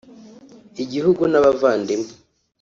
igihugu n’abavandimwe